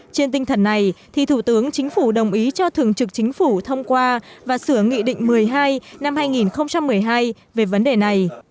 trên tinh thần này thì thủ tướng chính phủ đồng ý cho thường trực chính phủ thông qua và sửa nghị định một mươi hai năm hai nghìn một mươi hai về vấn đề này